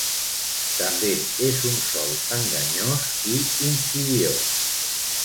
També és un sol enganyós i insidiós.